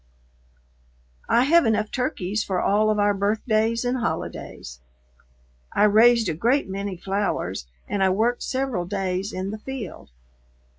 I have enough turkeys for all of our birthdays and holidays. I raised a great many flowers and I worked several days in the field.